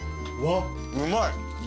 うまい。